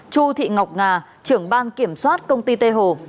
chu thị ngọc nga trưởng ban kiểm soát công ty tây hồ